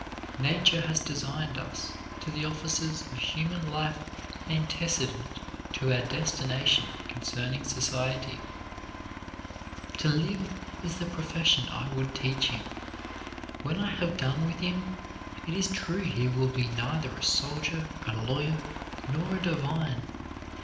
Nature has destined us to the offices of human life antecedent to our destination concerning society. To live is the profession I would teach him. When I have done with him, it is true he will be neither a soldier, a lawyer, nor a divine.